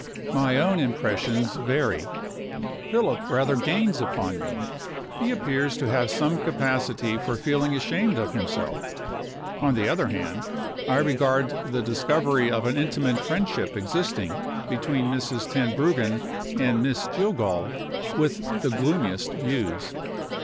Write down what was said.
My own impressions vary. Philip rather gains upon me; he appears to have some capacity for feeling ashamed of himself. On the other hand, I regard the discovery of an intimate friendship existing between Mrs. Tenbruggen and Miss Jillgall with the gloomiest views.